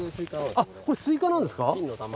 あっこれスイカなんですか。